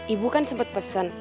ibu kan sempet pesen